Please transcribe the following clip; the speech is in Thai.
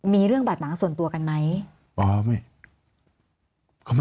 มีเรื่องบาดหมางส่วนตัวกันไหม